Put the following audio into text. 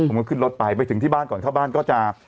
มันก็ขึ้นรถไปไปถึงที่บ้านก่อนเข้าบ้านก็จะ